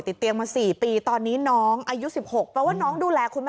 ติดเตียงมา๔ปีตอนนี้น้องอายุ๑๖แปลว่าน้องดูแลคุณแม่